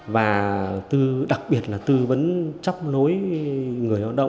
và đặc biệt là tư vấn chấp nối